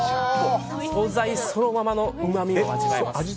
素材そのままのうまみを味わえます。